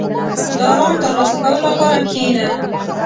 • د آرام ترلاسه کولو لپاره کښېنه.